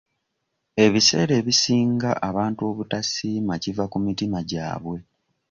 Ebiseera ebisinga abantu obutasiima kiva ku mitima gyabwe.